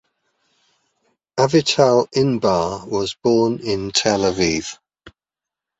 Avital Inbar was born in Tel Aviv.